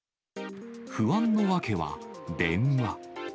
不安の訳は、電話。